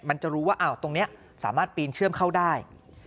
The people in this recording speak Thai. มันจะรู้ว่าตรงนี้สามารถปีนเชื่อมเข้าได้